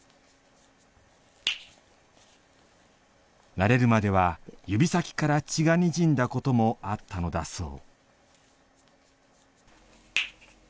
慣れるまでは指先から、血がにじんだこともあったのだそう。